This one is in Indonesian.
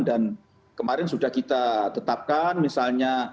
dan kemarin sudah kita tetapkan misalnya